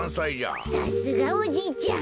さすがおじいちゃん。